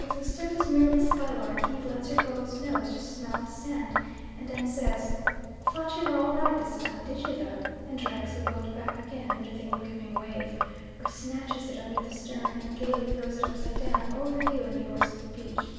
If the surf is merely sky larking it lets your boat's nose just smell the sand, and then says "Thought you were all right this time, did you though," and drags the boat back again under the incoming wave, or catches it under the stern and gaily throws it upside down over you and yours on the beach.